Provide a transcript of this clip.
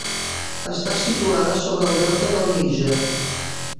Està situada sobre el Delta del Níger.